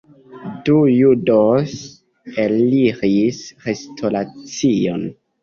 Du judoj eliris restoracion.